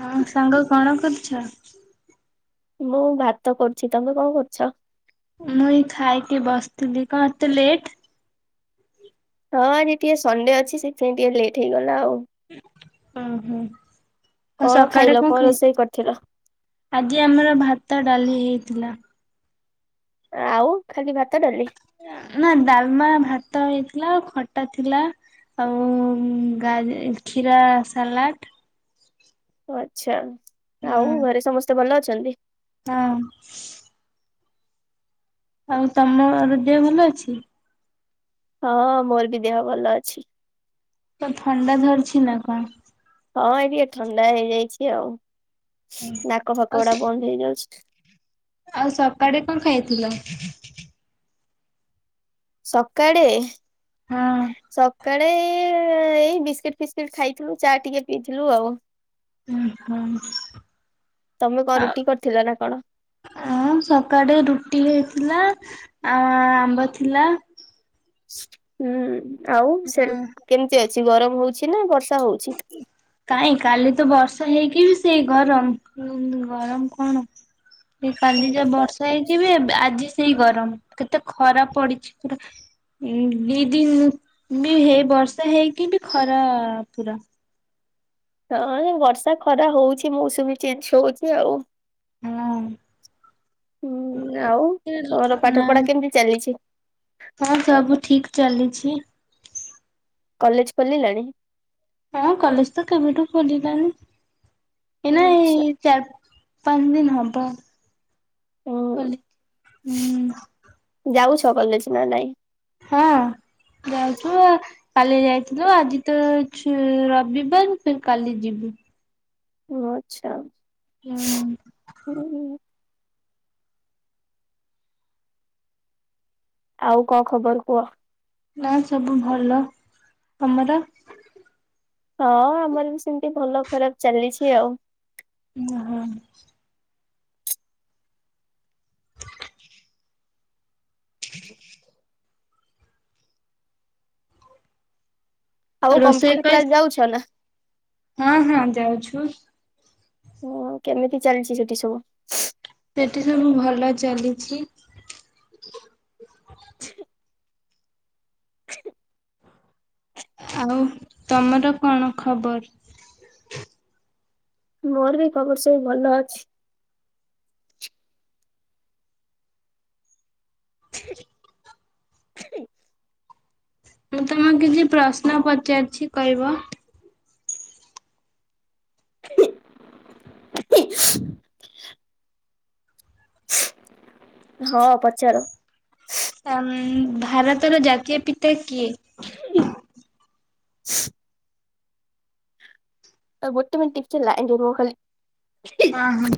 ହଁ ସାଙ୍ଗ କଣ କରୁଛ? ମୁଁ ଭାତ କରୁଛି ତମେ କଣ କରୁଛ? ମୁଁ ଏଇ ଖାଇକି ବସିଥିଲି କଣ ଏତେ ଲେଟ୍ ହଁ ଆଜି ଟିକେ ସଣ୍ଡେ ଅଛି ସେଥିପାଇଁ ଟିକେ ଲେଟ୍ ହେଇଗଲା ଆଉ। ଓହୋ ଆଉ କଣ ସକାଳେ ଖାଇଲ କଣ ଖାଇ ରୋଷେଇ କରିଥିଲ? ଆଜି ଆମର ଭାତ ଡାଲି ହେଇଥିଲା। ଆଉ ଖାଲି ଭାତ ଡାଲି ନା ଡାଲମା ଭାତ ହେଇଥିଲା ଆଉ ଖଟା ଥିଲା। ଆଉ ଗା କ୍ଷୀରା ସାଲାଟ୍ ଓ ଆଚ୍ଛା ହୁଁ। ଆଉ ଘରେ ସମସ୍ତେ ଭଲ ଅଛନ୍ତି। ହଁ ଆଉ ତମର ଦେହ ଭଲ ଅଛି ହଁ ମୋର ବି ଦେହ ଭଲ ଅଛି। ତ ଥଣ୍ଡା ଧରିଛି ନା କଣ ହଁ ଏ ଟିକେ ଥଣ୍ଡା ହେଇଯାଇଛି ଆଉ ନାକ ଫାକ ଆଉ ଗୁଡା ବନ୍ଦ ହେଇଯାଉଛି। ଆଉ ସକାଳେ କଣ ଖାଇଥିଲ? ସକାଳେ ହଁ ସ କାଳେ ଏଇ ବିସ୍କେଟ୍ ଫିସ୍କେଟ୍ ଖାଇଥିଲୁ ଚା ଟିକେ ପିଇଥିଲୁ ଆଉ ଉ ହୁଃ ତମେ କଣ ଆଉ ରୁଟି କରିଥିଲ ନା କଣ? ଆ ସକାଳେ ରୁଟି ହେଇଥିଲା। ଆ ଆମ୍ବ ଥିଲା। ହୁଁ ଆଉ ସେ ହଁ କେମିତି ଅଛି ଗରମ ହଉଛି ନା ବର୍ଷା ହଉଛି? କାହିଁ କାଲି ତ ବର୍ଷା ହେଇକି ବି ସେଇ ଗରମ ଗରମ କଣ ଏ କାଲି ଯା ଆଚ୍ଛା ବର୍ଷା ହେଇଥିବେ ଏ ଆଜି ସେଇ ଗରମ କେତେ ଖରାପ ପଡିଛି ପୁରା ଦି ଦିନ ବି ହେଇ ବର୍ଷା ହେଇକି ବି ଖରା ପୁରା। ହଁ ବର୍ଷା ଖରା ହଉଛି ମୌସୁମୀ ଚେଞ୍ଜ ହଉଛି ଆଉ। ହଁ। ହୁଁ ଆଉ ତମର ନା ପାଠ ପଢା କେମିତି ଚାଲିଚି? ହଁ ସବୁ ଠିକ୍ ଚାଲିଛି। କଲେଜ୍ ଖୋଲିଲାଣି? ହଁ କଲେଜ୍ ତ କେବେଠୁ ଖୋଲିଲାଣି ଏଇନା ଆଛା ଏଇ ଚାର୍ ପାଞ୍ଚ ଦିନ ହବ ହୁଁ ଖୋଲି ହୁଁ। ଯାଉଛ କଲେଜ ନା ନାଇଁ ହଁ ଯାଉଚୁ ଆ କାଲି ଯାଇଥିଲୁ ଆଜି ତ ରବିବାର ଫିର୍ କାଲି ଯିବୁ। ହଁ ଆଚ୍ଛା ହୁଁ ହୁ ଆଉ କଣ ଖବର କୁହ ନା ସବୁ ଭଲ ତମର। ହଁ ଆମର ବି ସେମତି ଭଲ ଖରାପ ଚାଲିଛି ଆଉ। ଓହୋ। ଆଉ ରୋଷେଇ କମ୍ପ୍ୟୁଟର ପାଇଁ କ୍ଲାସ ଯାଉଛ ନା? ହଁ ହଁ ଯାଉଛୁ। ହଁ କେମିତି ଚାଲିଛି ସେଠି ସବୁ ସେଠି ସବୁ ଭଲ ଚାଲିଛି। ଆଉ ତମର କଣ ଖବର ମୋର ବି ଖବର ସବୁ ଭଲ ଅଛି। [inaudible] ମୁଁ ତମକୁ କିଛି ପ୍ରଶ୍ନ ପଚାରୁଛି କହିବ? ହ [inaudible] ହଁ ପଚାର ଆ ଉଁ ଭାରତର ଜାତୀୟ ପିତା କିଏ? [inaudible] ଆଗୋଟେମିନିଟ ଟିକେ ଲାଇନରେ ରୁହ ଖାଲି ହଁ ହଁ।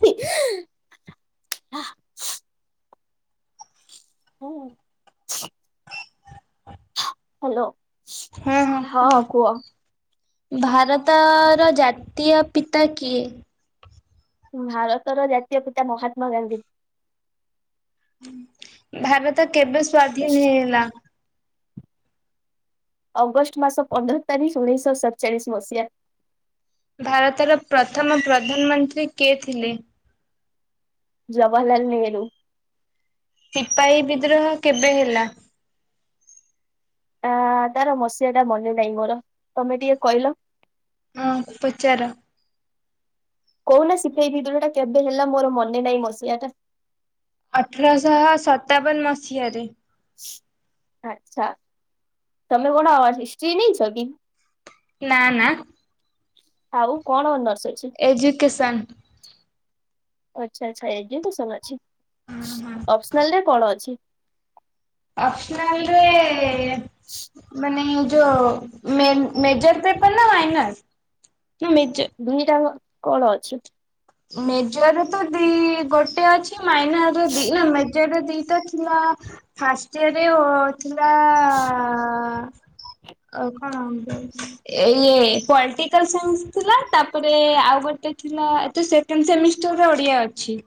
ହ [unintelligible] ହଁ। ହାଲୋ ହଁ କୁହ? ଭାରତର ଜାତୀୟ ପିତା କିଏ? ଭାରତର ଜାତୀୟ ପିତା ମହାତ୍ମା ଗାନ୍ଧୀ। ଭାରତ କେବେ ସ୍ଵାଧୀନ ହେଇଲା? ଅଗଷ୍ଟ ମାସ ପନ୍ଦର ତାରିଖ ଉଣେଇଶ ସତଚାଳିଶ ମସିହା। ଭାରତର ପ୍ରଥମ ପ୍ରଧାନମନ୍ତ୍ରୀ କିଏ ଥିଲେ? ଜବାହାରଲାଲ ନେହେରୁ। ସିପାହୀ ବିଦ୍ରୋହ କେବେ ହେଲା? ଆ ତାର ମସିହା ଟା ମନେ ନାହିଁ ମୋର ତମେ ଟିକେ କହିଲ? ହଁ ପଚାର? କହୁନା ସିପାହୀ ବିଦ୍ରହ କେବେ ହେଲା ମୋର ମନେ ନାଇଁ ମସିିବା ଟା ଅଠରଶହ ସତାବନ ମସିହାରେ। ଆଛା ତମେ କଣ ହିଷ୍ଟ୍ରୀ ନେଇଁଛ କି? ନା ନା। ଆଉ କଣ ଅନଶ୍ର ଏଜୁକେସନ୍। ଆଛା ଆଛା ଏଯୁକେଶନ ଅଛି ଆପ୍ସନାଲ ରେ କଣ ଅଛି? ଆପ୍ସନାଲରେ ମାନେ ଯୋଉ ମେ ମେଜର ପେପର ନା ମାଇନର? ନା ମେଜ ଦୁଇି ଟା ଯାକ କଣ ଅଛି? ମେଜର ତ ଦିଇ ଗୋଟେ ଅଛି ମାଇନାର ଦିଇ ନା ମେଜର ଦିଇଟା ଥିଲା ଫାଷ୍ଟ ଇୟରରେ ଓ ଥିଲା [inaudible] ହଁ। କଣ ଇଏ ପଲଟିକାଲ ସାଇନ୍ସ ଥିଲା ତାପରେ ଆଉ ଗୋଟେ ଥିଲା ତ ସେଣ୍ଡ ସେମିଷ୍ଟରର ଓଡିଆ ଅଛି।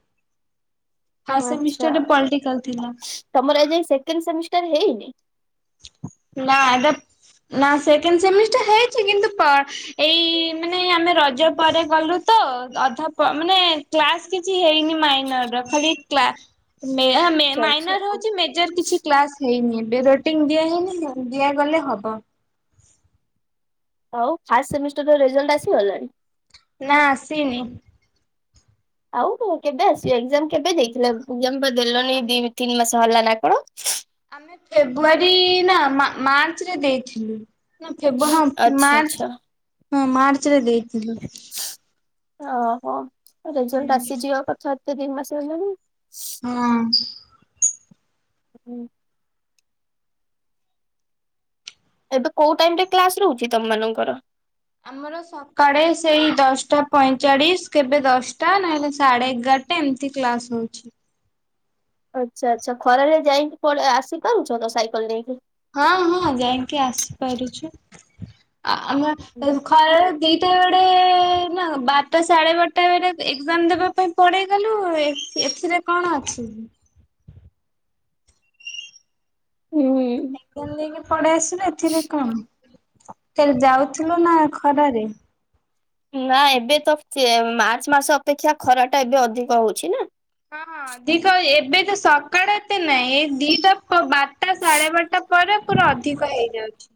ଫାଷ୍ଟ ଆଛା ସେମିଷ୍ଟରରେ ପଲିଟିକାଲ ଥିଲା ତମର ଆଜି ଯାଏ ସେକେଣ୍ଡ ସେମିସ୍ ଟାର ହେଇନି ନା ହେଟା ନା ସେକେଣ୍ଡ ସେମିଷ୍ଟା ହେଇଛି କିନ୍ତୁ ଏଇ ମାନେ ଆମେ ରଜ ପରେ ଗଲୁ ତ ଅଧା ମାନେ କ୍ଲାସ କିଛି ହେଇନି ମାଇନର ର ଖାଲି କ୍ଲା ମେୟା ମେ ଆଚ୍ଛା ମାଇନର ଆଚ୍ଛା ହଉଛି ମେଜର କିଛି କ୍ଲାସ ହେଇନି। ରୋଟିଂ ଦିଆ ହଇନି ଦିଆଗଲେ ହବ। ଆଉ ଫାର୍ଷ୍ଟ ସେମିଷ୍ଟର ରେଜାଲ୍ଟ ଆସିଗଲାଣି? ନା ଆସିନି। ଆଉ କେବେ ଆସିବ ଏକ୍ସାଜାମ କେବେ ଦେଇଥିଲ ଏକ୍ସାଜାମ ଦେଲନି ଆମେ ଦି ତିନି ମାସ ହେଲା ନା କଣ। ଆମେ ଫେବୃଆରୀ ନା ମା ମାର୍ଚ୍ଚରେ ଦେଇଥିଲୁ। ହଁ ଫେବ ହଁ ଆଚ୍ଛା ମାର୍ଚ୍ଚ ଆଚ୍ଛା। ହଁ ମାର୍ଚ୍ଚରେ ଦେଇଥିଲୁ। ଓହୋ ରେଜଲ୍ଟ ହଁ। ଆସିଯିବା କଥା ଏତେ ଦିନ ମାସ ହେଲାଣି। ହଁ। ହୁଁ। ଏବେ କୋଉ ଟାଇମରେ କ୍ଲାସ ରହୁଛି ତମମାନଙ୍କର? ଆମର ସକାଳେ ସେଇ ଦଶଟା ପଇଁଚାଳିଶ କେବେ ଦଶଟା ନାଇହେଲେ ସାଢେ ଏଗାରଟା ଟା ଏମତି କ୍ଲାସ୍ ହଉଛି। ଆଚ୍ଛା ଆଚ୍ଛା ଖରାରେ ଯାଇକି ପର ଆସି ପାରୁଚ ତ ସାଇକେଲ ନେଇକି। ହଁ ହଁ ଯାଇକି ଆସିପାରୁଚୁ ଆମ ଖରାରେ କେଇତ ଆଡେ ନା ବାରଟା ସାଢେ ବାରଟା ବେଳେ ଏକ୍ସାମ ଦେବା ପାଇଁ ପଡେଇଗଲୁ ଏଥିରେ କଣ ଅଛି। ହୁଁ ସାଇକେଲ ନେଇକି ପଳେଇ ଆସିଲୁ ଏଥିରେ କଣ ଫେର ଯାଉଥିଲୁ ନା ଖରାରେ। ନା ଏବେ ତକ ମାର୍ଚ୍ଚ ମାସ ଅପେକ୍ଷା ଖରା ଟା ଏବେ ଅଧିକ ହଉଛି ନା? ହଁଁ ଅଧିକ ଏବେ ତ ସକାଳେ ଏତେ ନାଇଁ ଦିଟା ବାର ଟା ସାଢେ ବାରଟା ପରେ ପୁର ଅଧିକ ହେଇଯାଉଛି।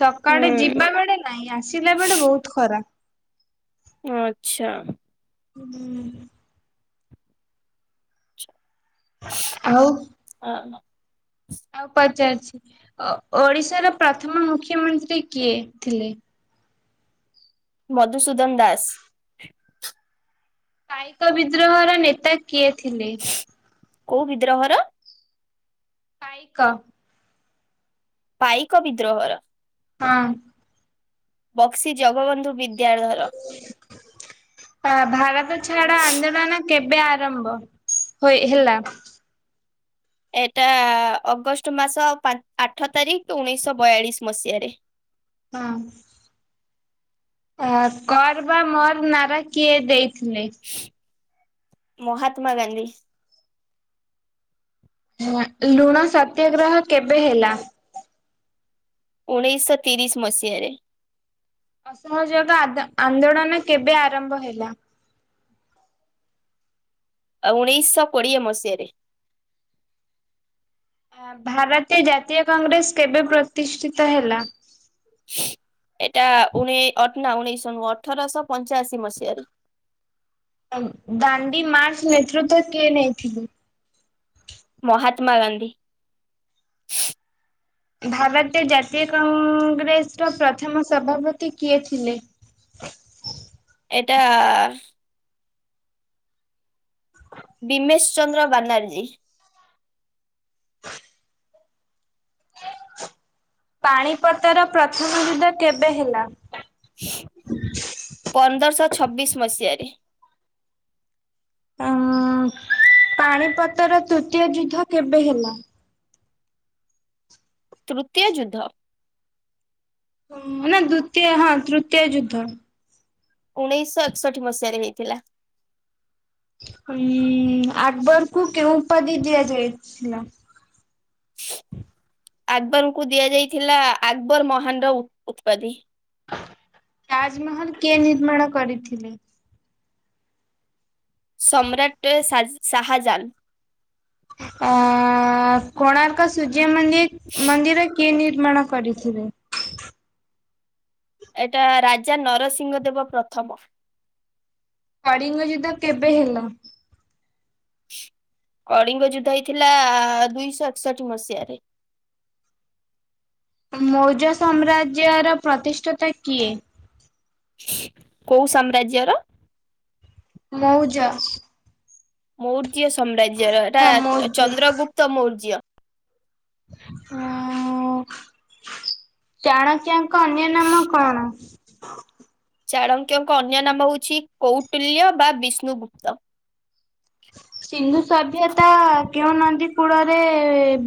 ସକାଳେ ହୁଁ ଯିବା ବେଳେ ନାଇଁ ଆସିଲା ବେଳେ ବହୁତ ଖରା। ଆଚ୍ଛା। ହୁଁ। ଆଉ ଅ। ଆଉ ପଚାରେ ଓ ଓଡିଶାର ପ୍ରଥମ ମୁଖ୍ୟମନ୍ତ୍ରୀ କିଏ ଥିଲେ? ମଧୁସୂଦନ ଦାସ। ପାଇକ ବିଦ୍ରୋହର ନେତା କିଏ ଥିଲେ? କୋଉ ବିଦ୍ରୋହର? ପାଇକ। ପାଇକ ବିଦ୍ରୋହର। ହଁ। ବକ୍ସି ଜଗବନ୍ଧୁ ବିଦ୍ୟାଳୟ ର। ପା ଭାରତ ଛାଡ ଆନ୍ଦୋଳନ କେବେ ଆରମ୍ଭ ହୋଇ ହେଲା? ଏଟା ଅଗଷ୍ଟ ମାସ ପା ଆଠ ତାରିଖ ଉଣେଇଶ ବୟାଳିଶ ମସିହାରେ। ହଁ। ଅ କର ବା ମର ନାରା କିଏ ଦେଇଥିଲେ? ମହାତ୍ମାଗାନ୍ଧୀ। ନୂଆ ଲୁଣ ସତ୍ୟଗ୍ରହ କେବେ ହେଲା? ଉଣେଇଶତିରିଶ ମସିହାରେ। ଅସହଯୋଗ ଆଦ-ଆନ୍ଦୋଳନ କେବେ ଆରମ୍ଭ ହେଲା? ଆ ଉଣେଇଶ କୋଡିଏ ମସିହାରେ। ଆ ଭାରତୀୟ ଜାତୀୟ କଂଗ୍ରେସ କେବେ ପ୍ରତିଷ୍ଠିତ ହେଲା? ଏଇଟା ଉଣେଇ ନାଁ ଉଣେଇଶହ ନୁହଁ ଅଠରଶହ ପଞ୍ଚାଅଶୀ ମସିହାରେ। ଦାଣ୍ଡିୀ ମାର୍ସ ନେତୃତ୍ୱ କିଏ ନେଇଥିବେ? ମହାତ୍ମାଗାନ୍ଧୀ। ଭାରତୀୟ ଜାତୀୟ କଂ-ଗ୍ରେସର ପ୍ରଥମ ସଭାପତି କିଏ ଥିଲେ? [inaudible] ଏଟା ଆ ବିମେଶ୍ ଚନ୍ଦ୍ର ବାନାର୍ଜୀ। ପାଣିପତର ପ୍ରଥମ ଯୁଦ୍ଧ କେବେ ହେଲା? ପନ୍ଦରଶ ଛବିଶି ମସିହାରେ। ଅଁ ପାଣିପତର ତୃତୀୟ ଯୁଦ୍ଧ କେବେ ହେଲା? ତୃତୀୟ ଯୁଦ୍ଧ। ହ ମାନ ଦ୍ଵିତୀୟ ହଁ ତୃତୀୟ ଯୁଦ୍ଧ। ଉଣେଇଶ ଏକଷଠି ମସିହାରେ ହେଇଥିଲା। ଉଁ ଆକବରକୁ କେଉଁ ଉପାଧି ଦିଆଯାଇଥିଲା? ଆକବରଙ୍କୁ ଦିଆଯାଇଥିଲା ଆକବର ମହାଣ୍ଡ ଉତ୍ପାଧି। ତାଜ୍ମହଲ୍ କିଏ ନିର୍ମାଣ କରିଥିଲେ? ସମ୍ରାଟ ସାଜ୍ ଶହାଜାନ। ଅ କୋଣାର୍କ ସୂର୍ଯ୍ୟ ମନ୍ଦିର୍ ମନ୍ଦିର କିଏ ନି ନିର୍ମାଣ କରିିଥିବେ। ଏଇଟା ରାଜା ନରସିଂହ ଦେବ ପ୍ରଥମ। କଳିଙ୍ଗ ଯୁଦ୍ଧ କେବେ ହେଲା? କଳିଙ୍ଗ ଯୁଦ୍ଧ ହେଇଥିଲା ଦୁଇଶହ ଏକଷଠି ମସିହାରେ। ମୌଜ ସାମ୍ରାଜ୍ୟର ପ୍ରତିଷ୍ଠାତା କିଏ? କୋଉ ସାମ୍ରାଜ୍ୟର। ମଉଜ। ମୌର୍ଯ୍ୟ ସମ୍ରାଜ୍ୟର ହଁ ଏଟା ମୌର୍ଯ୍ୟ ଚନ୍ଦ୍ରଗୁପ୍ତ ମୌର୍ଯ୍ୟ। ଆ ଟାଣାକିଆ। କନ୍ୟ ନାମ କଣ? ଚାଣକ୍ୟଙ୍କ ଅନ୍ୟ ନାମ ହଉଛି କୌଟୁଲ୍ୟ ବା ବିଷ୍ଣୁଗୁପ୍ତ। ସିନ୍ଧୁ ସଭ୍ୟତା କେଉଁ ନନ୍ତି କୂଳରେ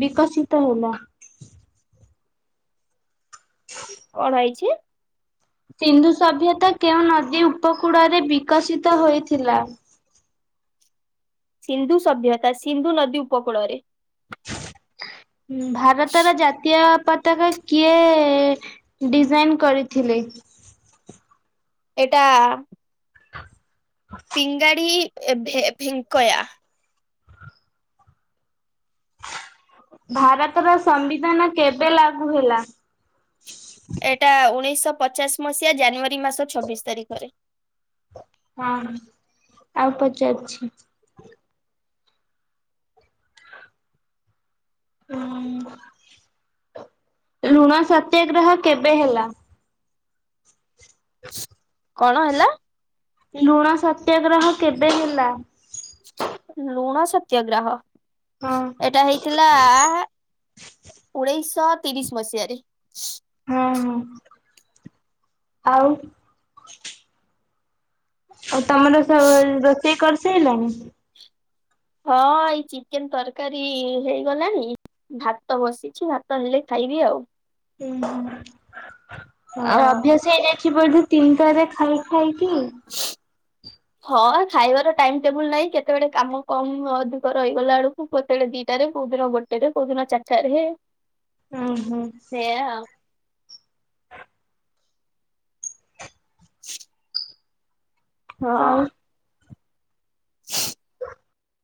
ବିକଶିତ ହେଲା। କଣ ହେଇଛି। ସିନ୍ଧୁ ସଭ୍ୟତା କେଉଁ ନଦୀ ଉପକୂଳରେ ବିକଶିତ ହୋଇଥିଲା। ସିନ୍ଧୁ ସଭ୍ୟତା ସିନ୍ଧୁ ନଦୀ ଉପକୂଳରେ। ହୁଁ ଭାରତର ଜାତୀୟ ପତାକା କିଏ ଡିଜାଇନ୍ କରିଥିଲେ? ଏଟା [inaudible] ପିଙ୍ଗାଡି ଭେ-ଭେ-ଭେଙ୍କୟା। ଭାରତର ସମ୍ବିଧାନ କେବେ ଲାଗୁ ହେଲା? ଏଇଟା ଉଣେଇଶହ ପଚାଶ ମସିହା ଜାନୁଆରୀ ମାସ ଛବିଶ ତାରିଖରେ। ହଁ ଆଉ ପଚାରୁଛି। ହୁଁ ଲୁଣ ସତ୍ୟାଗ୍ରହ କେବେ ହେଲା? [inaudible] କଣ ହେଲା? ଲୁଣ ସତ୍ୟାଗ୍ରହ କେବେ ହେଲା? ଲୁଣା ସତ୍ୟାଗ୍ରହ। ହଁ ଏଇଟା ହେଇଥିଲା ଉଣେଇଶ ତିରିଶ ମସିହାରେ। ଅଁ ହୋ ଆଉ। ଆଉ ତମର ସ ରୋଷେଇ କରିସାରିଲଣି। ହଁ ଏଇ ଚିକେନ୍ ତରକାରୀ ହେଇଗଲାଣି। ଭାତ ବସିଛି ଭାତ ନେଲେ ଖାଇବି ଆଉ। ହୁଁ ଆଉ ହଁ ଅଭ୍ୟାସ ହେଇଯାଇଛି ବଲି ତିନିଟାରେ ଖାଇ ଖାଇ ହଁ ଖାଇବାର ଟାଇମ ଟେବୁଲ ନାହିଁ କେତେବେଳେ କାମ କମ ଅଧିକ ରହିଗଲା ବେଳକୁ କେତେବେଳେ ଡ଼ି ଦିଟାରେ କୋଉ ଦିନ ଗୋଟେ ରେ କୋଉ ଦିନ ଚାରିଟାରେ। ହୁଁ ହୁଁ। ଏଇଆ ଆଉ [inaudible] ଆଉ ହଁ। [inaudible]